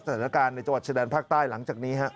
สถานการณ์ในจังหวัดเฉดียนภาคใต้หลังจากนี้ครับ